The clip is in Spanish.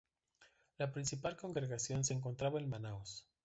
La principal congregación se encontraba en Manaos.